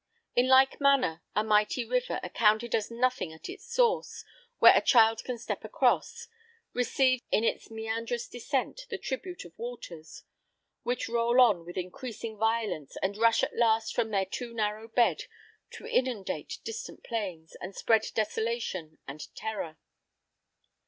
In like manner, a mighty river, accounted as nothing at its source, where a child can step across, receives in its meandrous descent the tribute of waters, which roll on with increasing violence, and rush at last from their too narrow bed to inundate distant plains, and spread desolation and terror.